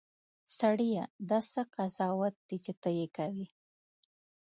سړیه! دا څه قضاوت دی چې ته یې کوې.